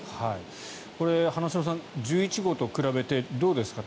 花城さん、１１号と比べてどうですか？